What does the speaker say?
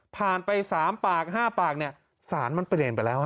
ผ่านไป๓ปาก๕ปากเนี่ยสารมันเปลี่ยนไปแล้ว